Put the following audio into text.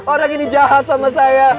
orang ini jahat sama saya